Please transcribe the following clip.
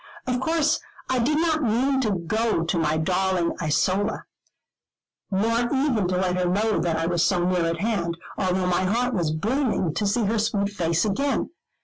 Of course I did not mean to go to my darling Isola, nor even to let her know that I was so near at hand, although my heart was burning to see her sweet face again.